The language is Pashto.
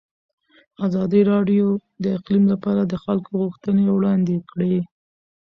ازادي راډیو د اقلیم لپاره د خلکو غوښتنې وړاندې کړي.